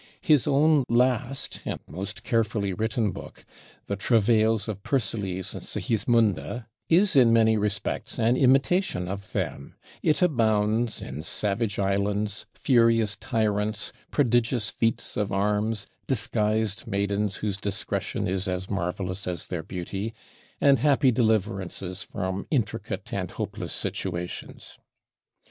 His own last and most carefully written book, the 'Travails of Persiles and Sigismunda,' is in many respects an imitation of them; it abounds in savage islands, furious tyrants, prodigious feats of arms, disguised maidens whose discretion is as marvelous as their beauty, and happy deliverances from intricate and hopeless situations.